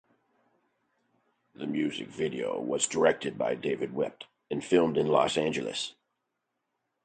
The music video was directed by David Wept and filmed in Los Angeles.